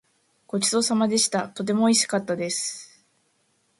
ごちそうさまでした。とてもおいしかったです。